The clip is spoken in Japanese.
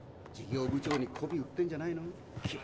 事業部長にこび売ってんじゃないの。